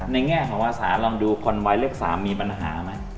ในแง่ของวัฒนศาลลองดูคนไวท์เลือก๓มีปัญหาไหม